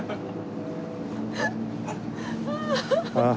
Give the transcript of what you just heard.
ハハハハ！